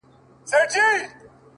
• مجرم د غلا خبري پټي ساتي ـ